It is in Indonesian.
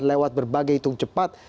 lewat berbagai hitung cepat